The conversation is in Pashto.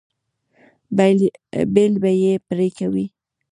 بیل به یې پرې کوئ.